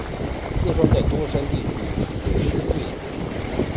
四川的多山地区损失最严重。